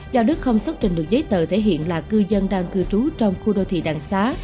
do đức không xuất trình được giấy tờ thể hiện là cư dân đang cư trú trong khu đô thị đạng xá